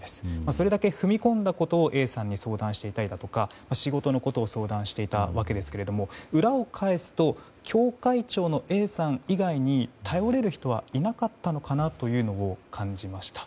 それだけ踏み込んだことをＡさんに相談していたりだとか仕事のことを相談していたわけですが裏を返すと教会長のＡさん以外に頼れる人はいなかったのかなということを感じました。